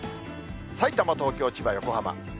さいたま、東京、千葉、横浜。